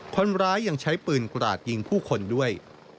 คนร้ายยังใช้ปืนกราดยิงผู้คนด้วย